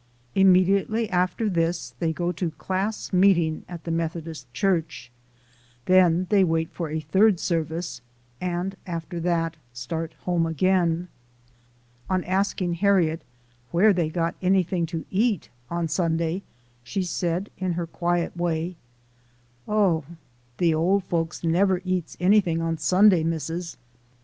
Immediately after this they go to class meeting at the Methodist Church. Then they wait for a third service, and after that start out home again. On asking Harriet where they got anything to eat on Sunday, she said, in her quiet way, " Oh ! de ole folks nebber eats anyting on Sunday , Missis